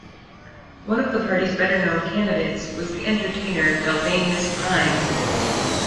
One of the party's better known candidates was the entertainer Dalvanius Prime.